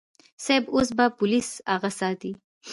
صيب اوس به پوليس اغه ساتي.